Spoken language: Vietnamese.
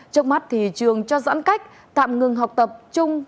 trước mắt thì trường cho giãn cách tạm ngừng học tập trung